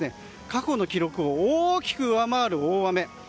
過去の記録を大きく上回る大雨。